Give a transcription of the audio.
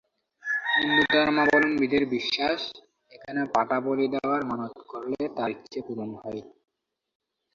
হিন্দু ধর্মাবলম্বীদের বিশ্বাস, এখানে পাঠা বলি দেওয়ার মানত করলে তাঁর ইচ্ছে পূরণ হয়।